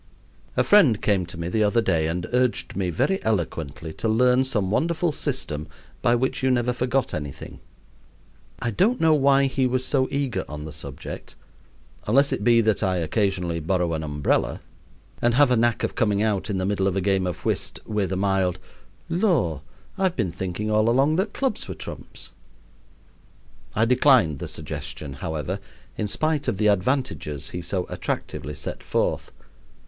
A friend came to me the other day and urged me very eloquently to learn some wonderful system by which you never forgot anything. I don't know why he was so eager on the subject, unless it be that I occasionally borrow an umbrella and have a knack of coming out, in the middle of a game of whist, with a mild "Lor! I've been thinking all along that clubs were trumps." I declined the suggestion, however, in spite of the advantages he so attractively set forth.